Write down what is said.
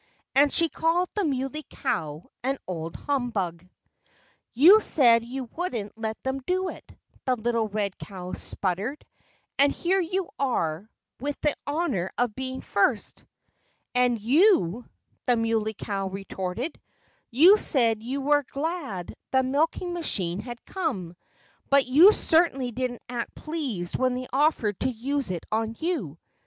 And she called the Muley Cow "an old humbug." "You said you wouldn't let them do it," the little red cow spluttered. "And here you are, with the honor of being first!" "And you " the Muley Cow retorted "you said you were glad the milking machine had come. But you certainly didn't act pleased when they offered to use it on you....